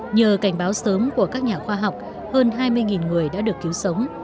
nhờ cảnh báo sớm của các nhà khoa học hơn hai mươi người đã được cứu sống